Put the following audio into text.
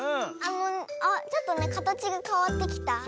あっちょっとねかたちがかわってきた。